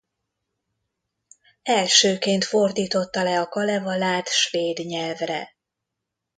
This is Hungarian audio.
Elsőként fordította le a Kalevalát svéd nyelvre.